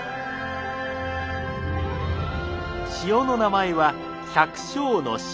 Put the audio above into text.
塩の名前は百笑の塩。